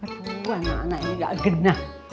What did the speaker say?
aduh anak anak ini gak genap